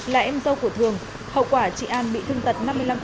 là em dâu của thường hậu quả chị an bị thương tật năm mươi năm